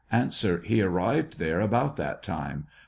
He 'arrived there about that time.